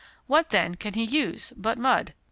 What, then, can he use but mud?